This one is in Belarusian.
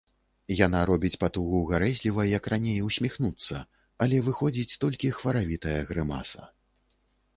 Яна робіць патугу гарэзліва, як раней, усміхнуцца, але выходзіць толькі хваравітая грымаса.